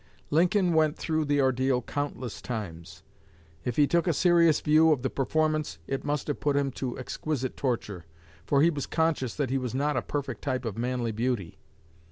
Lincoln went through the ordeal countless times. If he took a serious view of the performance it must have put him to exquisite torture, for he was conscious that he was not a perfect type of manly beauty.